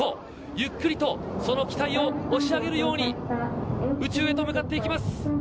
ゆっくりとその機体を押し上げるように宇宙へと向かっていきます。